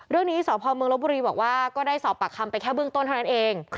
เรื่องนี้สพเมืองลบบุรีบอกว่าก็ได้สอบปากคำไปแค่เบื้องต้นเท่านั้นเอง